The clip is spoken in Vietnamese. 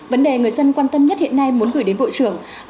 vấn đề người dân quan tâm nhất hiện nay muốn gửi đến bộ trưởng